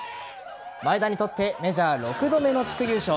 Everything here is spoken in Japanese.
前田にとってメジャー６度目の地区優勝。